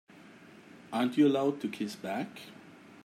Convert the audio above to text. Aren't you allowed to kiss back?